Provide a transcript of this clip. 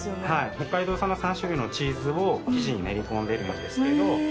北海道産の３種類のチーズを生地に練り込んでるんですけど。